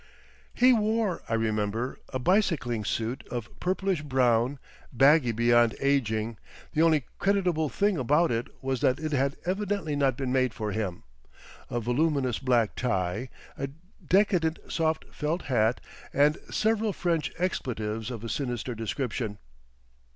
He wore, I remember, a bicycling suit of purplish brown, baggy beyond ageing—the only creditable thing about it was that it had evidently not been made for him—a voluminous black tie, a decadent soft felt hat and several French expletives of a sinister description.